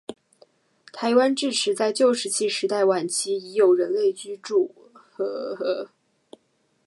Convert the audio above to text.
台湾至迟在旧石器时代晚期已有人类居住。